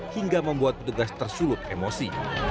hingga membuat petugas tersulut emosi